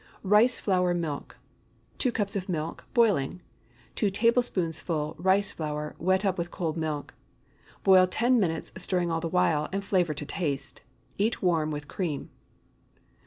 RICE FLOUR MILK. 2 cups of milk, boiling. 2 tablespoonfuls rice flour, wet up with cold milk. 2 tablespoonfuls white sugar. Boil ten minutes, stirring all the while, and flavor to taste. Eat warm with cream.